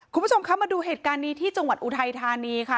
คุณผู้ชมคะมาดูเหตุการณ์นี้ที่จังหวัดอุทัยธานีค่ะ